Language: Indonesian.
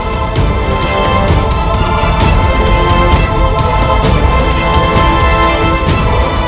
banyak musuh mencari kita